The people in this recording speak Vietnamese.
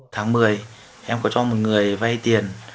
tháng một mươi em có cho một người vay tiền